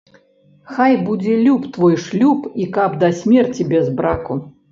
Хай будзе люб твой шлюб і каб да смерці без браку